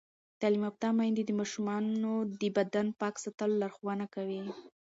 تعلیم یافته میندې د ماشومانو د بدن پاک ساتلو لارښوونه کوي.